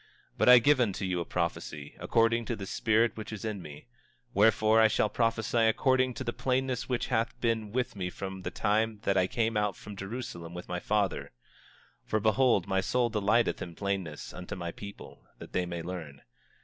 But I give unto you a prophecy, according to the spirit which is in me; wherefore I shall prophesy according to the plainness which hath been with me from the time that I came out from Jerusalem with my father; for behold, my soul delighteth in plainness unto my people, that they may learn.